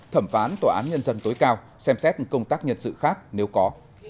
thẩm phán tòa án nhân dân tối cao xem xét công tác nhân sự khác nếu có